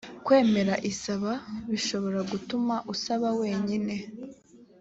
kwemera isaba bishobora gutuma usaba wenyine